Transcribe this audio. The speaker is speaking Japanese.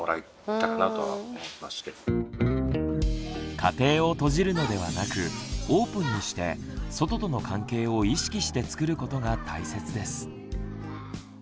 家庭を閉じるのではなくオープンにして外との関係を意識してつくることが大切です。